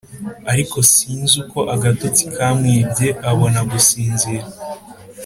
ariko sinzi uko agatotsi kamwibye abona gusinzira.